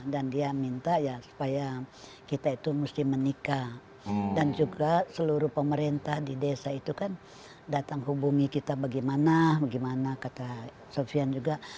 dan dia minta ya supaya kita itu mesti menikah dan juga seluruh pemerintah di desa itu kan datang hubungi kita bagaimana bagaimana kata sofian juga